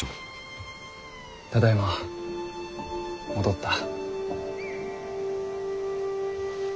ただいま戻った。